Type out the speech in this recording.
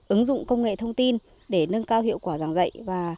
ứng dụng công nghệ thông tin để nâng cao hiệu quả giảng dạy và